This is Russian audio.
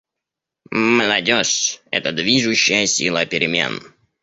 Молодежь — это движущая сила перемен.